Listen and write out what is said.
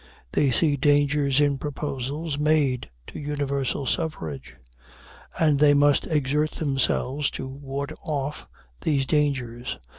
They see dangers in proposals made to universal suffrage, and they must exert themselves to ward off those dangers.